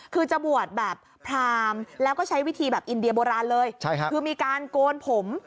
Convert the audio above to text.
คือจะบวชแบบพรามแล้วก็ใช้วิธีแบบอินเดียโบราณเลยคือมีการโกนผม